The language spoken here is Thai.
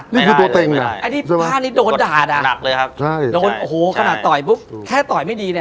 นี่คือตัวเต็มนะ